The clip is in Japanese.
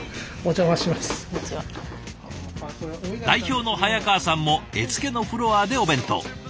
代表の早川さんも絵付けのフロアでお弁当。